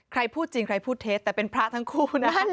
ใครพูดจริงใครพูดเท็จแต่เป็นพระทั้งคู่นะ